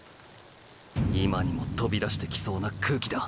今にもとびだしてきそうな空気だ！！